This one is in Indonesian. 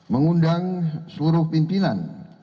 mengundang seluruh pimpinan